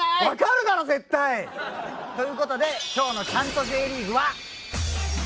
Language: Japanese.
わかるだろ絶対！という事で今日の『チャント！！Ｊリーグ』は。